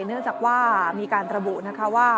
เนื่องจากว่ามีการระบุนะคะว่า